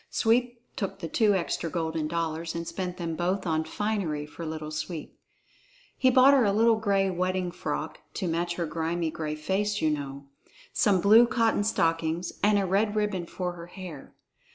Sweep took the two extra golden dollars and spent them both on finery for Little Sweep. He bought her a little gray wedding frock (to match her grimy, gray face, you know), some blue cotton stockings, and a red ribbon for her hair.